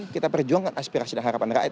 kita perjuangkan aspirasi dan harapan rakyat